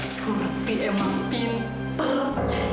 surat pmm pin belum